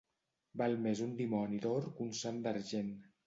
Val més un dimoni d'or que un sant d'argent.